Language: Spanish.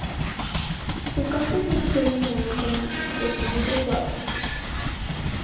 Su canto es una serie monótona de silbidos suaves.